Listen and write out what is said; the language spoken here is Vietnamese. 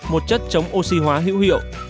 một chất chống oxy hóa hữu hiệu